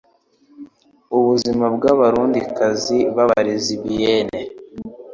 Ubuzima bw'abarundikazi b'aba rezibiyene